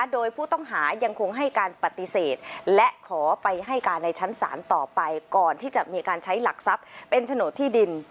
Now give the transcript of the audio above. โดยผู้ต้องหายังคงให้การปฏิเสธและขอไปให้การในชั้นศาลต่อไปก่อนที่จะมีการใช้หลักทรัพย์เป็นโฉนดที่ดิน